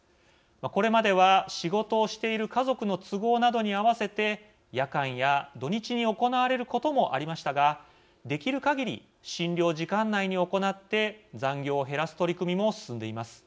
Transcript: これまでは仕事をしている家族の都合などに合わせて夜間や土日に行われることもありましたができるかぎり診療時間内に行って残業を減らす取り組みも進んでいます。